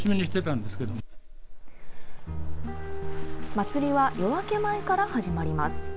祭りは夜明け前から始まります。